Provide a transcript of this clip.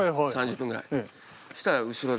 ３０分ぐらい。